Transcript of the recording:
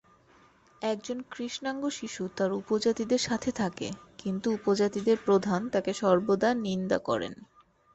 এক কৃষ্ণাঙ্গ শিশু তার উপজাতিদের সাথে থাকে কিন্তু উপজাতিদের প্রধান তাকে সর্বদা নিন্দা করেন।